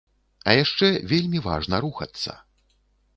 А яшчэ вельмі важна рухацца.